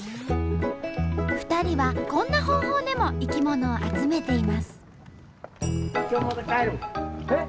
２人はこんな方法でも生き物を集めています。